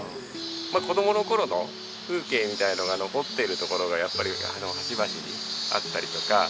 子供の頃の風景みたいなのが残ってるところがやっぱり端々にあったりとか。